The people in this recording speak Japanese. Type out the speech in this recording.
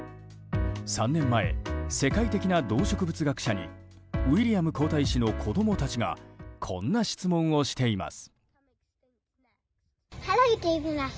３年前、世界的な動植物学者にウィリアム皇太子の子供たちがこんな質問をしています。